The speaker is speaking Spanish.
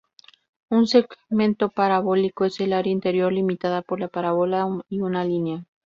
Un segmento parabólico es el área interior limitada por la parábola y una línea.